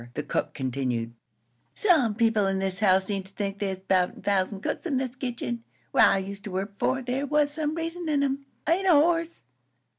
The cook continued: "Some people in this house seem to think there's 'bout a thousand cooks in this kitchen. Where I used to work b'fore, there was some reason in 'em. I ain't a horse.